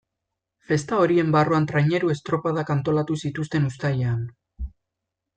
Festa horien barruan traineru estropadak antolatu zituzten uztailean.